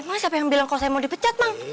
emang siapa yang bilang kalau saya mau dipecat emang